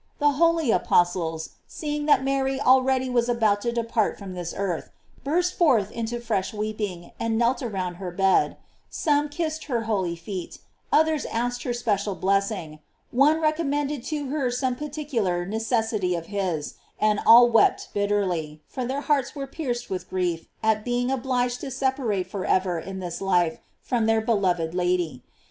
The holy apostles, seeing that Mary already was about to depart from this earth, burst forth into fresh weeping, and knelt around her bed: some kissed her holy feet, others asked her special blessing, one recommended to her some particular necessity of his, and all wept bitterly, for their hearts were pierced with grief at being obliged to separate forever in this life from their beloved Lady.